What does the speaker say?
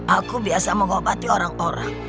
aku biasa mengobati orang orang